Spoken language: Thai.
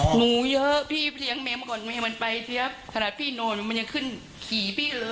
หนูเยอะพี่เลี้ยงแมวมาก่อนแม่มันไปเสียบขนาดพี่นอนมันยังขึ้นขี่พี่เลย